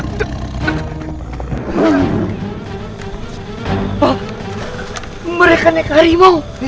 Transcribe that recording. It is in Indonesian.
tidak ada para